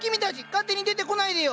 勝手に出てこないでよ！